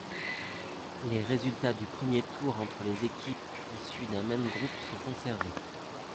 Les résultats du premier tour entre les équipes issues d'un même groupe sont conservés.